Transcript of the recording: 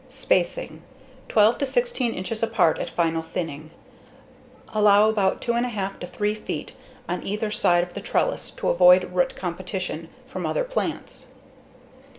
Spacing: Twelve to 16 inches apart at final thinning. Allow about 2[f]1/2 to 3 feet on either side of the trellis to avoid root competition from other plants.